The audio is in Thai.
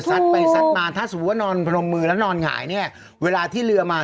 ไปซัดมาถ้าสมมุติว่านอนพนมมือแล้วนอนหงายเนี่ยเวลาที่เรือมา